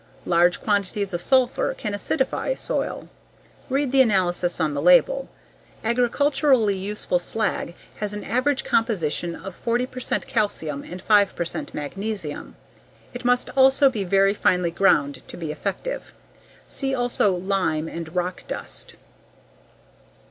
Large quantities of sulfur can acidify soil. Read the analysis on the label. Agriculturally useful slag has an average composition of 40 percent calcium and 5 percent magnesium. It must also be very finely ground to be effective. See also: Lime and _Rock dust.